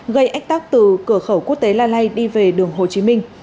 gây ách tắc từ cửa khẩu quốc tế la lai đi về đường hồ chí minh